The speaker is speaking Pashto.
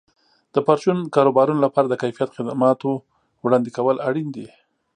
د پرچون کاروبارونو لپاره د کیفیت خدماتو وړاندې کول اړین دي.